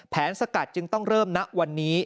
สกัดจึงต้องเริ่มณวันนี้